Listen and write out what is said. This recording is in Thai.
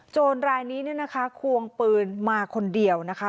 รายนี้เนี่ยนะคะควงปืนมาคนเดียวนะคะ